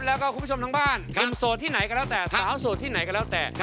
แล้วก็คุณผู้ชมทั้งบ้านหนุ่มโสดที่ไหนก็แล้วแต่สาวโสดที่ไหนก็แล้วแต่